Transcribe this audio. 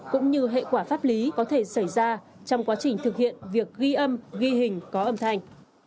cũng như hệ quả pháp lý có thể xảy ra trong quá trình thực hiện việc ghi âm ghi hình có âm thanh